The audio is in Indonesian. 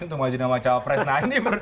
itu maju dengan wacawa press nah ini